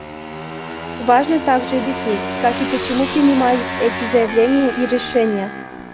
Важно также объяснить, как и почему принимались эти заявления и решения.